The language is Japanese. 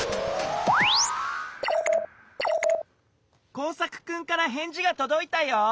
コウサクくんからへんじがとどいたよ。